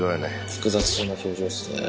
複雑そうな表情っすね。